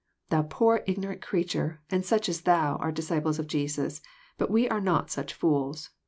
'' Thou, poor ignorant creature, and such as thou, art disciples of Jesus. But we are not such fools.